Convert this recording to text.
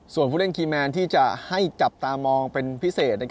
ส่วนผู้เล่นคีย์แมนที่จะให้จับตามองเป็นพิเศษ